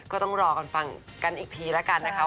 ก็ต้องรอกันฟังกันอีกทีแล้วกันนะคะ